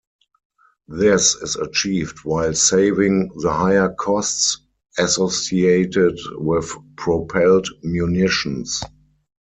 This is achieved while saving the higher costs associated with propelled munitions.